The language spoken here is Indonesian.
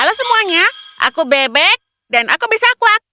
halo semuanya aku bebek dan aku bisa akuak